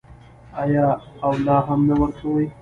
آیا او لا هم نه ورکوي؟